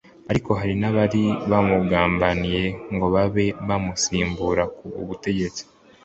ariko hari n'abari bamubangamiye ngo babe banamusimbura ku butegetsi